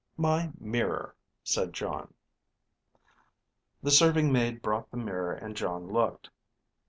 "My mirror," said Jon. The serving maid brought the mirror and Jon looked.